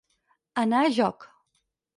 Anar a joc.